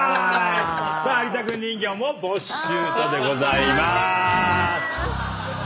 さあアリタくん人形もボッシュートでございまーす。